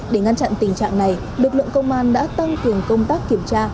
để ngăn chặn tình trạng này lực lượng công an đã tăng cường công tác kiểm tra